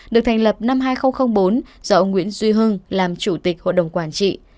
được thành lập năm hai nghìn bốn do ông nguyễn duy hưng làm chủ tịch hội đồng quản trị